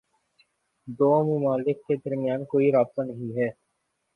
دو ممالک کے درمیان کوئی رابطہ نہیں ہے۔